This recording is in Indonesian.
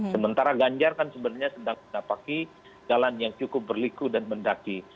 sementara ganjar kan sebenarnya sedang menapaki jalan yang cukup berliku dan mendaki